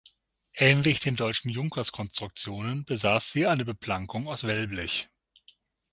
Ähnlich den deutschen Junkers-Konstruktionen besaß sie eine Beplankung aus Wellblech.